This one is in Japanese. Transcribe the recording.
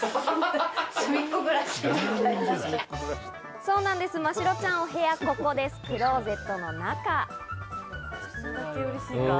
そうなんです、真白ちゃんのお部屋はここです、クローゼット。